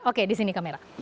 oke di sini kamera